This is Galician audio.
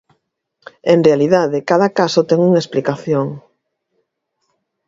En realidade cada caso ten unha explicación.